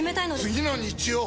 次の日曜！